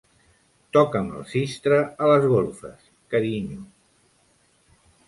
Toca'm el sistre a les golfes, carinyo.